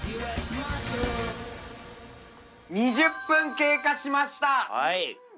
２０分経過しました。